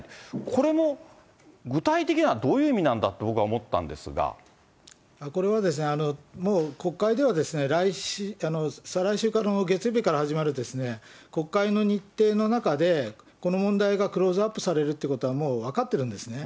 これも具体的にはどういう意味なんだと僕は思これはですね、もう国会では、再来週から、月曜日から始まる国会の日程の中で、この問題がクローズアップされるってことはもう分かってるんですね。